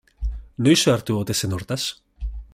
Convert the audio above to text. Noiz ohartu ote zen hortaz?